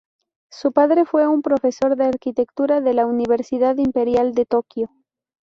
Su padre fue un profesor de arquitectura de la Universidad Imperial de Tokio.